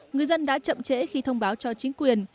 người dân đã chậm trễ khi thông báo cho chính quyền